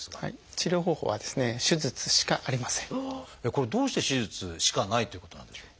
これどうして手術しかないということなんでしょう？